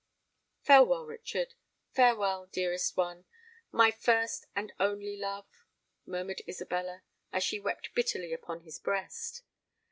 "Farewell, Richard—farewell, dearest one—my first and only love," murmured Isabella, as she wept bitterly upon his breast.